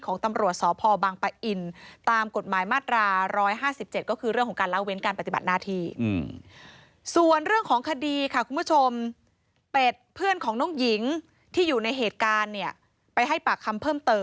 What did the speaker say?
ของตำรวจสอบพบังปะอินตามกฎหมายมาตรา๑๕๗